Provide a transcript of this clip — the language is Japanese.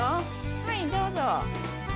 はい、どうぞ。